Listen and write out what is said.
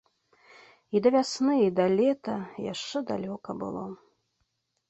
І да вясны і да лета яшчэ далёка было.